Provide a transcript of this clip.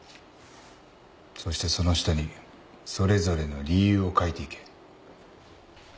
そしてその下にそれぞれの理由を書いていけ。